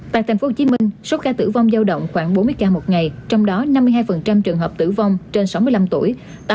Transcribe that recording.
tại tp hcm số ca tử vong giao động khoảng bốn mươi ca một ngày trong đó năm mươi hai trường hợp tử vong trên sáu mươi năm tuổi